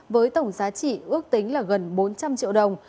với tổng giá trị ước tính là gần bốn trăm linh triệu đồng